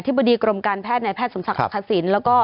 อธิบดีกรมการแพทย์แพทย์สมศักดิ์ภัษี